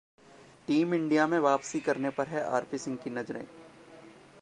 team India में वापसी करने पर हैं आरपी सिंह की नजरें